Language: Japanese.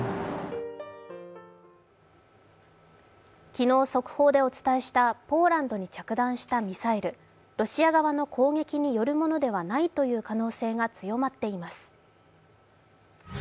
昨日速報でお伝えしたポーランドに着弾したミサイルロシア側の攻撃によるものではないという可能性が強まっています。